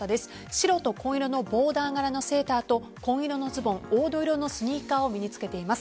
白と紺色のボーダー柄のセーターと紺色のズボン黄土色のスニーカーを身に着けています。